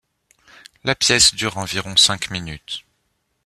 La pièce dure environ cinq minutes.